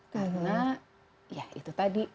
karena ya itu tadi